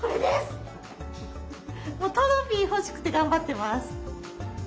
もうトロフィー欲しくて頑張ってます！